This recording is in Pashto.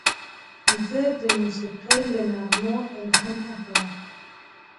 زه د موسیقۍ له نغمو الهام اخلم.